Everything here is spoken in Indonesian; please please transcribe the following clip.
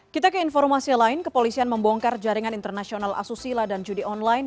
kita ke informasi lain kepolisian membongkar jaringan internasional asusila dan judi online